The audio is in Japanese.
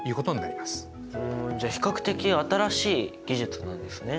ふんじゃあ比較的新しい技術なんですね。